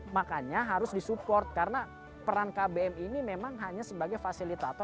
makanya harus disupport karena peran kbm ini memang hanya sebagai fasilitator